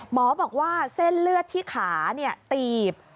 หมอบอกว่าเส้นเลือดที่ขาตีบ